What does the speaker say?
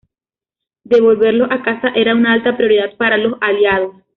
Devolverlos a casa era una alta prioridad para los Aliados.